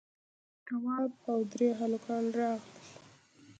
تواب او درې هلکان راغلل.